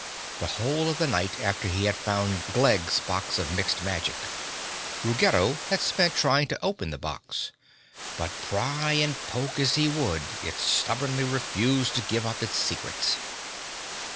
The whole of the night after he had found Glegg's box of Mixed Magic, Ruggedo had spent trying to open the box. But pry and poke as he would it stubbornly refused to give up its secrets.